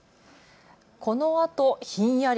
このあとひんやり。